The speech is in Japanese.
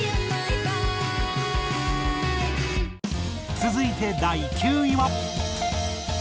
続いて第９位は。